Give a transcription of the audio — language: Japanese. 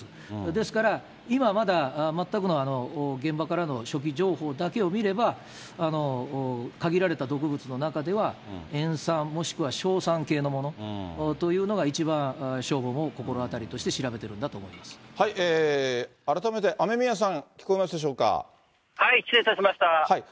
ですから、今まだ全くの現場からの初期情報だけを見ると、限られた毒物の中では塩酸、もしくは硝酸系のものというのが一番消防も心当たりとして調べて改めて雨宮さん、聞こえます失礼いたしました。